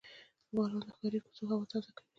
• باران د ښاري کوڅو هوا تازه کوي.